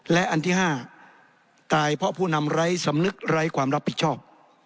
และอันที่๕ตายเพราะผู้นำไร้สำนึกไร้ความรับผิดชอบ